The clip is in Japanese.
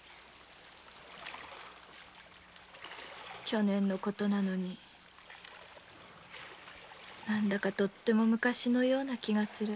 去年の事なのに何だかとっても昔のような気がする。